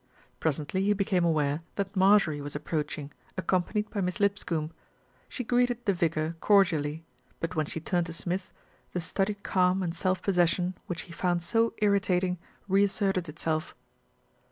Presently he became aware that Marjorie was ap proaching, accompanied by Miss Lipscombe. She greeted the vicar cordially; but when she turned to Smith, the studied calm and self possession which he found so irritating reasserted itself.